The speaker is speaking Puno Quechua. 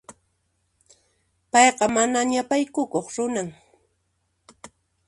Payqa mana ñapaykukuq runan.